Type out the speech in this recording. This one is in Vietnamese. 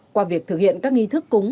qua việc thực hiện các nghi thức